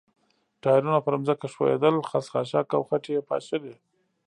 ټایرونه پر ځمکه ښویېدل، خس، خاشاک او خټې یې پاشلې.